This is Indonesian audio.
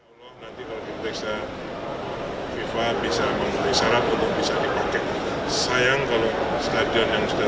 nanti kalau kita bisa fifa bisa memenuhi syarat untuk bisa dipakai sayang kalau stadion yang sudah